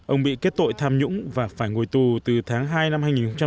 ông bị kết tội tham nhũng và phải ngồi tù từ tháng hai năm hai nghìn một mươi